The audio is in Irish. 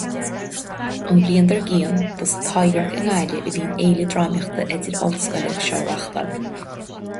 An bhliain dár gcionn, ba sa Taibhdhearc i nGaillimh a bhí an fhéile drámaíochta idir-ollscoile seo á reáchtáil.